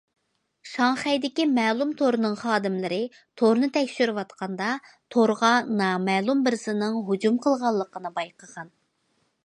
شاڭخەيدىكى مەلۇم تورنىڭ خادىملىرى تورنى تەكشۈرۈۋاتقاندا، تورغا نامەلۇم بىرسىنىڭ ھۇجۇم قىلغانلىقىنى بايقىغان.